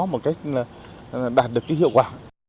một cách đạt được hiệu quả